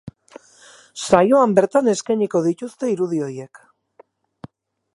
Saioan bertan eskainiko dituzte irudi horiek.